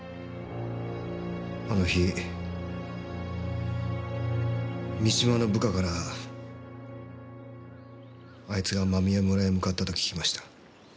あの日三島の部下からあいつが間宮村へ向かったと聞きました。